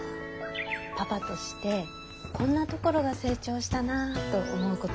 パパとしてこんなところが成長したなあと思うことは？